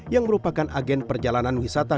yang merupakan agen perjalanan wisata